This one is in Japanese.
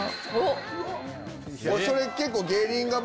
それ結構。